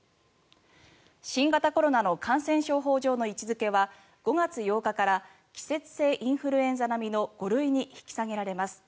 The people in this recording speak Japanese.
新型コロナの感染症法上の位置付けは５月８日から季節性インフルエンザ並みの５類に引き下げられます。